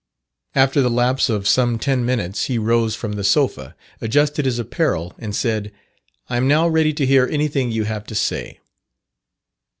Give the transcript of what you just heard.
After the lapse of some ten minutes he rose from the sofa, adjusted his apparel, and said, "I am now ready to hear anything you have to say."